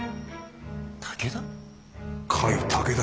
武田？